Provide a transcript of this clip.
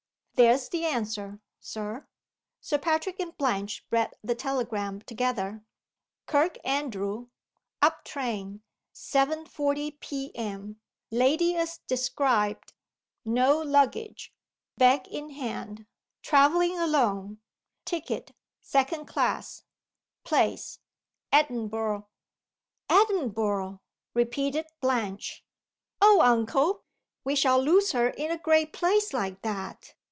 "There's the answer, Sir." Sir Patrick and Blanche read the telegram together. "Kirkandrew. Up train. 7.40 P.M. Lady as described. No luggage. Bag in her hand. Traveling alone. Ticket second class. Place Edinburgh." "Edinburgh!" repeated Blanche. "Oh, uncle! we shall lose her in a great place like that!"